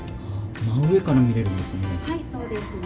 真上から見れるんですね。